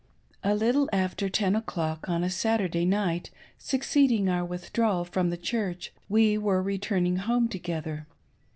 A NIGHT ATTACK. ' 5791 A little after ten o'clock, on the Saturday night succeeding our withdrawal from the Church, we were returning home together.